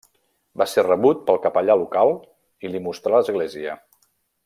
Va ser rebut pel capellà local i li mostrà l'església.